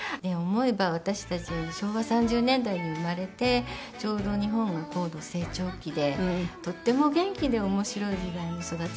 思えば私たち昭和３０年代に生まれてちょうど日本が高度成長期でとっても元気で面白い時代に育ちまして。